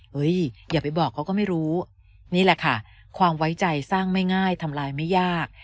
อย่าไปบอกเขาก็ไม่รู้นี่แหละค่ะความไว้ใจสร้างไม่ง่ายทำลายไม่ยาก